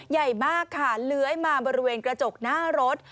ใหญ่มากค่ะเลื้อยมาบริเวณกระจกหน้ารถ